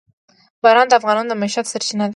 باران د افغانانو د معیشت سرچینه ده.